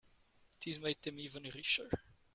This made them even richer.